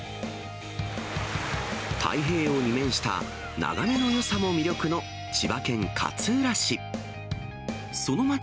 太平洋に面した眺めのよさも魅力の千葉県勝浦市。